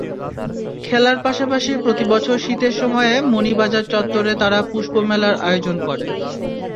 খেলার পাশাপাশি প্রতিবছর শীতের সময়ে মণিবাজার চত্বরে তারা পুষ্পমেলার আয়োজন করে।